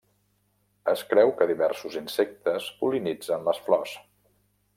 Es creu que diversos insectes pol·linitzen les flors.